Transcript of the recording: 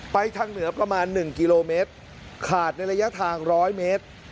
ไปทางเหนือกระมาณหนึ่งกิโลเมตรขาดในระยะทางร้อยเมตร